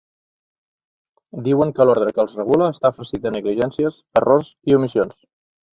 Diuen que l’ordre que els regula està farcit de negligències, errors i omissions.